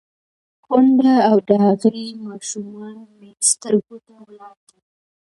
_کونډه او د هغې ماشومان مې سترګو ته ولاړ دي.